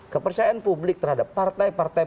kepercayaan publik terhadap partai partai